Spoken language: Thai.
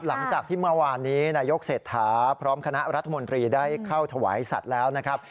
หลังจากที่เมื่อวานนี้นายกเศรษฐาพร้อมคณะรัฐมนตรีได้เข้าถวายสัตว์แล้วนะครับ